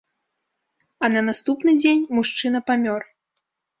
А на наступны дзень мужчына памёр.